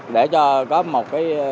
để cho có một cái